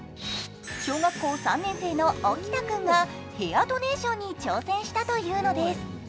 小学校３年生の沖田君がヘアドネーションに挑戦したというのです。